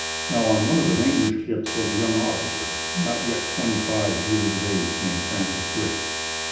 Now on one of the English ships was a young officer, not yet twenty five years of age, named Francis Drake.